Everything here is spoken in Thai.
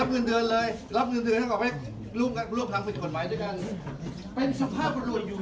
เสือกอะไรกันครับ